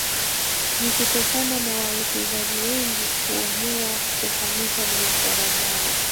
Ni kutokana na wawekezaji wengi kuamua kuhamisha biashara zao